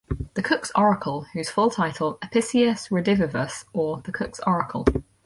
"The Cook's Oracle", whose full title "Apicius Redivivus, or the Cook's Oracle.